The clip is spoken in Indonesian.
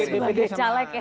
sebagai caleg ya